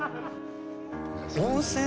温泉？